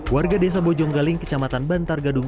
warga desa bojonggaling kecamatan bantar gadung